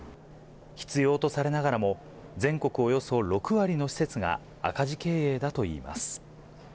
必要とされながらも、全国およそ６割の施設が、赤字経営だといいます。